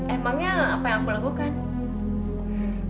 emangnya apa yang aku lakukan